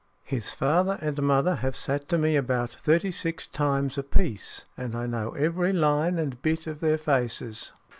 "His father and mother have sat to me about thirty six times a piece, and I know every line and bit of their faces.